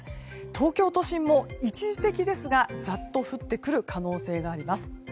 東京都心も一時的ですがザッと降ってくる可能性があります。